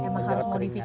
emang harus modifikasi